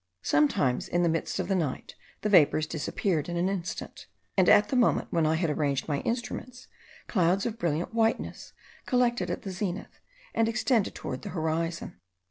Sometimes, in the midst of the night, the vapours disappeared in an instant; and at the moment when I had arranged my instruments, clouds of brilliant whiteness collected at the zenith, and extended towards the horizon.